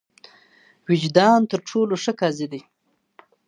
وجدان تر ټولو ښه قاضي دی.